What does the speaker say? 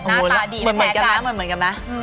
หน้าตาดีแพ้จากกัน